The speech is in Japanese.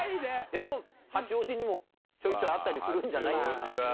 でも、八王子にも、ちょいちょいあったりするんじゃないですか。